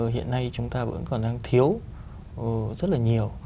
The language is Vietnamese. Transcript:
hiện nay chúng ta vẫn còn đang thiếu rất là nhiều